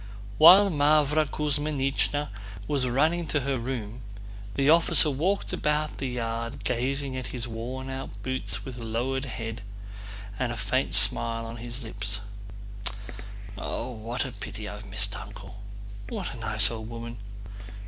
While Mávra Kuzmínichna was running to her room the officer walked about the yard gazing at his worn out boots with lowered head and a faint smile on his lips. "What a pity I've missed Uncle! What a nice old woman!